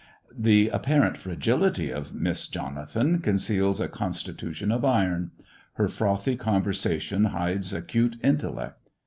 The apparent fragility of Miss Jonathan conceals a con stitution of iron, her frothy conversation hides a 'cute intellect.